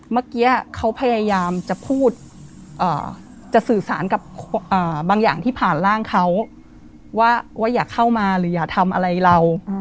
เมื่อกี้เขาพยายามจะพูดจะสื่อสารกับบางอย่างที่ผ่านร่างเขาว่าอย่าเข้ามาหรืออย่าทำอะไรเรา